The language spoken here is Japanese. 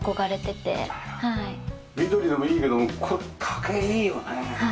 緑もいいけどもこれ竹いいよね。